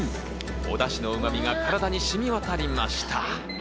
おだしのうまみが体に染み渡りました。